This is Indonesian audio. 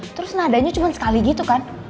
terus nadanya cuma sekali gitu kan